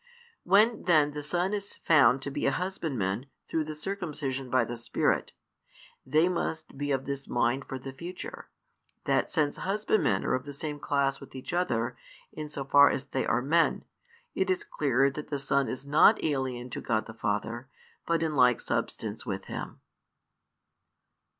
When then the Son is found to be a Husbandman through the circumcision by the Spirit, they must be of this mind for the future, that since husbandmen are of the same class with each other, in so far as they are men, it is clear that the Son is not alien to God the Father, but like in substance with Him.